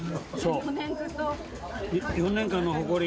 ４年間のほこり。